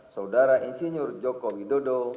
saudara insinyur joko widodo